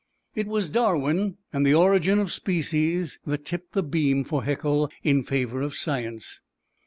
It was Darwin and "The Origin of Species" that tipped the beam for Haeckel in favor of science.